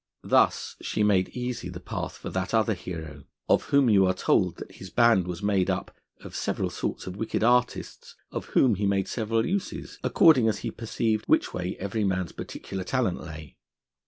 Thus she made easy the path for that other hero, of whom you are told that his band was made up 'of several sorts of wicked artists, of whom he made several uses, according as he perceived which way every man's particular talent lay.'